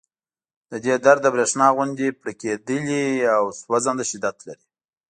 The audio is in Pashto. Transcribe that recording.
د دې درد د برېښنا غوندې پړقېدلی او سوځنده شدت لري